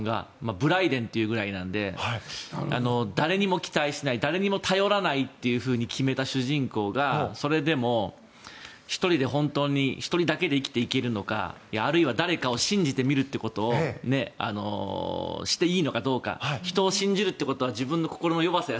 「無頼伝」というくらいなので誰にも期待しない誰にも頼らないと決めた主人公がそれでも１人で１人だけで生きていけるのかあるいは誰かを信じることをしていいのかどうか人を信じるということは自分の弱さや